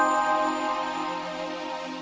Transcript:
jangan won jangan